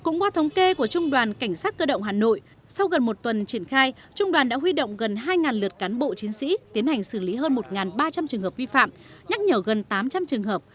cũng qua thống kê của trung đoàn cảnh sát cơ động hà nội sau gần một tuần triển khai trung đoàn đã huy động gần hai lượt cán bộ chiến sĩ tiến hành xử lý hơn một ba trăm linh trường hợp vi phạm nhắc nhở gần tám trăm linh trường hợp